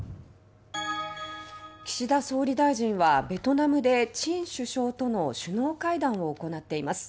岸田総理大臣はベトナムでチン首相との首脳会談を行っています。